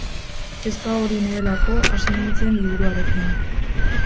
Kezka hori nuelako hasi nintzen liburuarekin.